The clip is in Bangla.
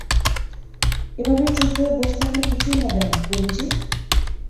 এভাবে চুপ হয়ে বসে থাকলে কিছুই হবে না, গুরু জি।